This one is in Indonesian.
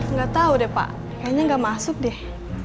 nggak tahu deh pak kayaknya nggak masuk deh